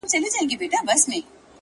د زړه ساعت كي مي پوره يوه بجه ده گراني !